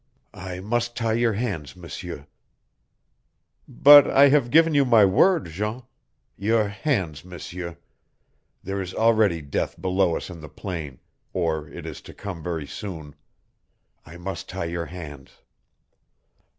"I must tie your hands, M'seur." "But I have given you my word, Jean " "Your hands, M'seur. There is already death below us in the plain, or it is to come very soon. I must tie your hands."